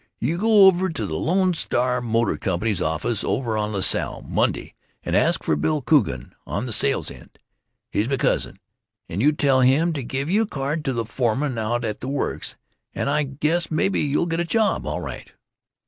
You go over to the Lodestar Motor Company's office, over on La Salle, Monday, and ask for Bill Coogan, on the sales end. He's me cousin, and you tell him to give you a card to the foreman out at the works, and I guess maybe you'll get a job, all right."